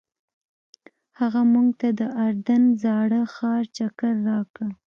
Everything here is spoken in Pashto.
هغه موږ ته د اردن زاړه ښار چکر راکړ.